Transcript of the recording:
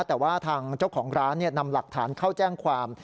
แต่ว่าทางเจ้าของร้านนำหลักฐานเข้าแจ้งความ